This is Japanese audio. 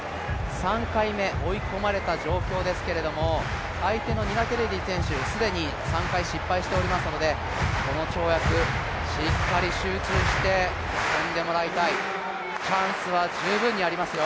３回目、追い込まれた状況ですけれども、相手のニナ・ケネディ選手、既に３回失敗していますのでこの跳躍、しっかり集中して跳んでもらいたい、チャンスは十分にありますよ。